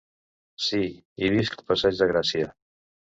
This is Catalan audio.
Sí, i visc al passeig de Gràcia.